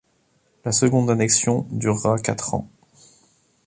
La Seconde Annexion durera quatre ans.